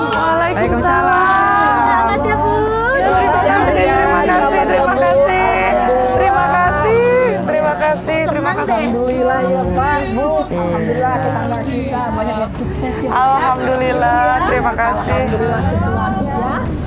terima kasih terima kasih terima kasih terima kasih alhamdulillah terima kasih